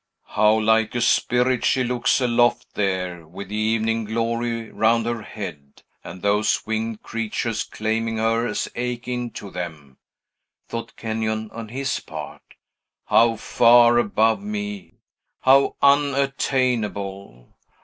"How like a spirit she looks, aloft there, with the evening glory round her head, and those winged creatures claiming her as akin to them!" thought Kenyon, on his part. "How far above me! how unattainable!